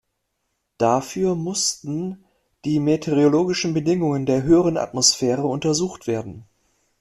Dafür mussten die meteorologischen Bedingungen der höheren Atmosphäre untersucht werden.